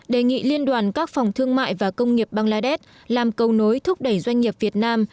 đề nghị liên đoàn các phòng thương mại và công nghiệp bangladesh làm cầu nối thúc đẩy doanh nghiệp việt nam